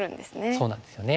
そうなんですよね。